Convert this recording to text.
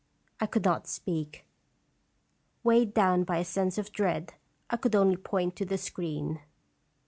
I could not speak. Weighed down by a sense of dread, I could only point to the screen.